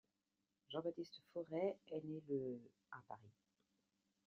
Jean-Baptiste Forest est né le à Paris.